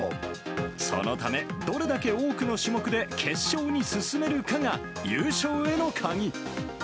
そのため、どれだけ多くの種目で決勝に進めるかが優勝への鍵。